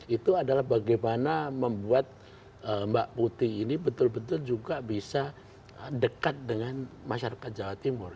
itu adalah bagaimana membuat mbak putih ini betul betul juga bisa dekat dengan masyarakat jawa timur